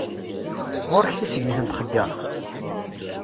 Ɣur-k tissegnit n txeyyaṭ?